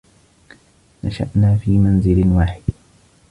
نشأنا في منزل واحد.